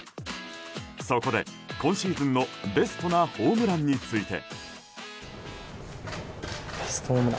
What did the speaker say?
そこで今シーズンのベストなホームランについて。